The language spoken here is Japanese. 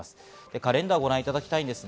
カレンダーをご覧いただきます。